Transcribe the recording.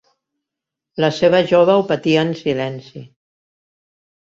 La seva jove ho patia en silenci.